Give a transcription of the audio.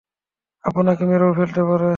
আপনাকে মেরেও ফেলতে পারে।